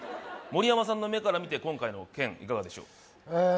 盛山さんの目から見て今回の件いかがでしょうえー